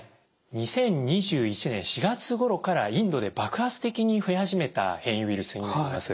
２０２１年４月ごろからインドで爆発的に増え始めた変異ウイルスになります。